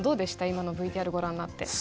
今のＶＴＲご覧になって。